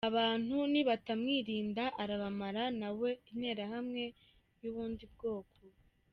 Abantu nibatamwirinda arabamara nawe interahamwe yubundi bwoko.